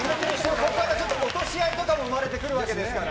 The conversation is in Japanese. ここから落とし合いとかも生まれてくるわけですから。